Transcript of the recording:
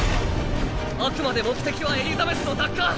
あくまで目的はエリザベスの奪還。